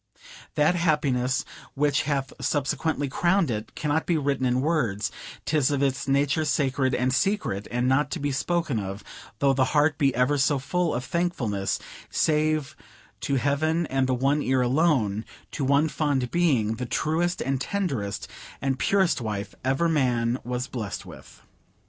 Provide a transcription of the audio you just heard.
That happiness, which hath subsequently crowned it, cannot be written in words; 'tis of its nature sacred and secret, and not to be spoken of, though the heart be ever so full of thankfulness, save to Heaven and the One Ear alone to one fond being, the truest and tenderest and purest wife ever man was blessed with.